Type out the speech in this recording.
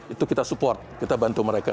itu kita support kita bantu mereka